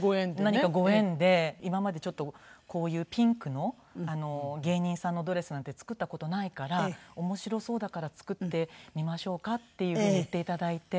何かご縁で「今までちょっとこういうピンクの芸人さんのドレスなんて作った事ないから面白そうだから作ってみましょうか」っていうふうに言って頂いて。